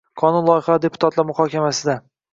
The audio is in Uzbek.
Qonun loyihalari deputatlar muhokamasida